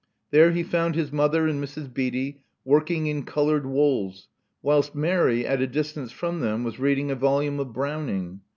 There he found his mother and Mrs. Beatty working in colored wools, whilst Mary, at a distance from them, was reading a volume of Browning.